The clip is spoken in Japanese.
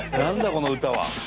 この歌は。